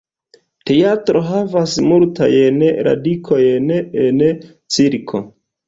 Teatro havas multajn radikojn en cirko.